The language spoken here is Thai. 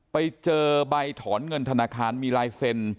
ไปเจอใบถอนเงินธนาคารมีลายเซ็น